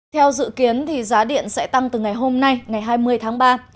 theo dự kiến giá điện sẽ tăng từ ngày hôm nay ngày hai mươi tháng ba